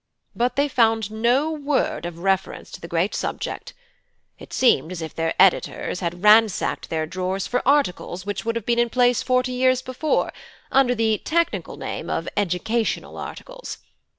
But they found no word of reference to the great subject. It seemed as if their editors had ransacked their drawers for articles which would have been in place forty years before, under the technical name of educational articles.